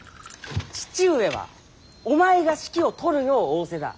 父上はお前が指揮を執るよう仰せだ。